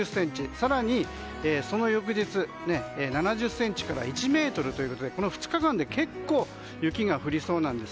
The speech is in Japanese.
更にその翌日７０ｃｍから１ｍということでこの２日間で結構雪が降りそうです。